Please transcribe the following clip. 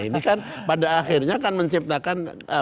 ini kan pada akhirnya kan menciptakan